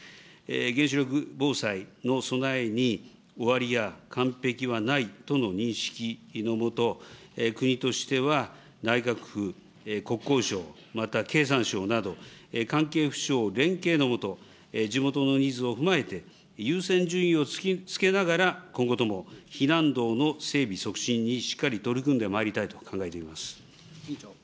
原子力防災の備えに終わりや完璧はないとの認識の下、国としては内閣府、国交省、また経産省など、関係府省連携の下、地元のニーズを踏まえて、優先順位をつけながら今後とも避難道の整備促進にしっかり取り組んでまいりたいと考えております。